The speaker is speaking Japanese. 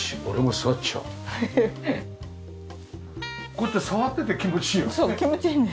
こうやって触ってて気持ちいいよね。